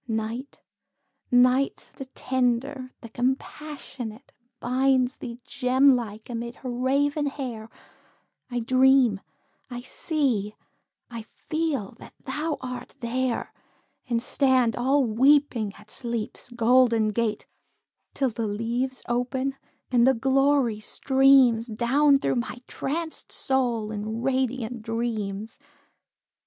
Night Night the tender, the compassionate, Binds thee, gem like, amid her raven hair; I dream I see I feel that thou art there And stand all weeping at Sleep's golden gate, Till the leaves open, and the glory streams Down through my trancèd soul in radiant dreams.